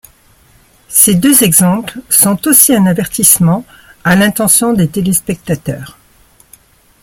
Ces deux exemples sont aussi un avertissement à l'intention des téléspectateurs.